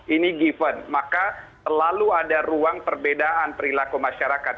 ini given maka selalu ada ruang perbedaan perilaku masyarakat